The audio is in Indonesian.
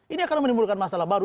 ini akan menimbulkan masalah baru